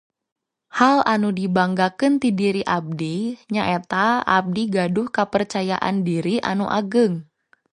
Hal anu dibanggakeun ti diri abdi nyaeta abdi gaduh kapercayaan diri anu ageung